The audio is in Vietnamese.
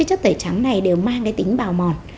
chất tẩy trắng này đều mang tính bào mòn